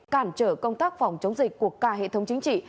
cản trở công tác phòng chống dịch của cả hệ thống chính trị